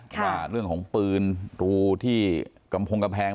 ว่าเรื่องของปืนรูที่กำพงกำแพง